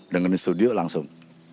dengan studio langsung